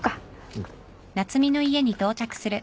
うん。